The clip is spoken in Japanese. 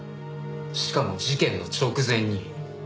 しかも事件の直前に。